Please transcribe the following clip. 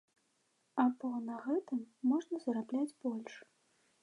А бо на гэтым можна зарабляць больш.